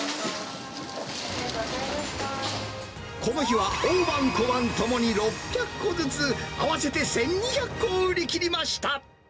この日は大判、小判ともに６００個ずつ、合わせて１２００個を売り切りました。